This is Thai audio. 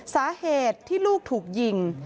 สาเหตุที่ลูกถูกยิง